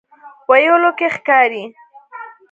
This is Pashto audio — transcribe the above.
ویلو کې ښکاري.